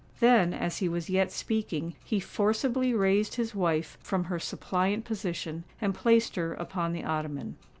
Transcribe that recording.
Then, as he was yet speaking, he forcibly raised his wife from her suppliant position, and placed her upon the ottoman.